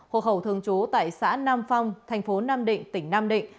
hộ khẩu thường trú tại xã nam phong tp nam định tỉnh nam định